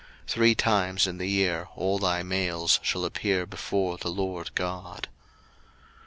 02:023:017 Three items in the year all thy males shall appear before the LORD God.